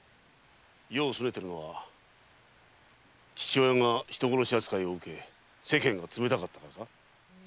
世を拗ねてるのは父親が人殺し扱いを受け世間が冷たかったからか？